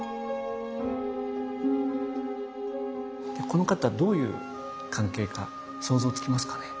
この方どういう関係か想像つきますかね？